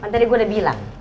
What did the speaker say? kan tadi gua udah bilang